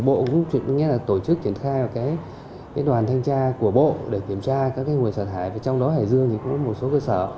bộ cũng kiểm tra các nguồn xả thải trong đó hải dương có một số cơ sở